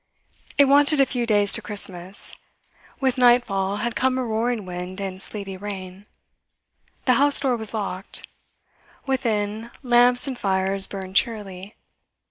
It wanted a few days to Christmas; with nightfall had come a roaring wind and sleety rain; the house door was locked; within, lamps and fires burned cheerily.